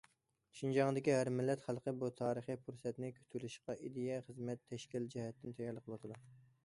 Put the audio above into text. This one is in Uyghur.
شىنجاڭدىكى ھەر مىللەت خەلق بۇ تارىخىي پۇرسەتنى كۈتۈۋېلىشقا ئىدىيە، خىزمەت، تەشكىل جەھەتتىن تەييارلىق قىلىۋاتىدۇ.